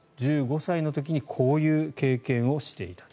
１５歳の時にこういう経験をしている。